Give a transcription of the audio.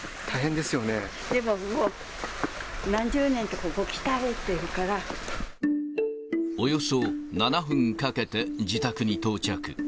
でももう、何十年と、およそ７分かけて自宅に到着。